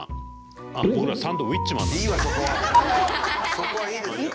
そこはいいですよ！